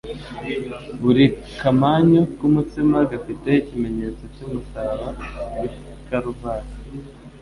Buri kamanyu k'umutsima gafite ikimenyetso cy'umusaraba w'i Karuvali.